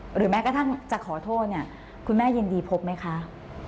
หรือแม้กระทั่งจะขอโทษเนี่ยคุณแม่ยินดีพบไหมคะ